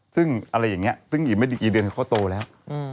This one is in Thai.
ซึ่งอะไรอย่างนี้ซึ่งอีกไม่ดีกี่เดือนเขาก็โตแล้ว